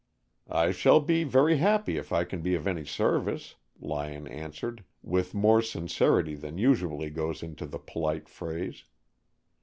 "I shall be very happy if I can be of any service," Lyon answered, with more sincerity than usually goes into the polite phrase.